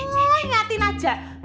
ngelah ngatin aja